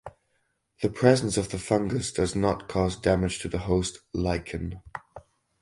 The presence of the fungus does not cause damage to the host lichen.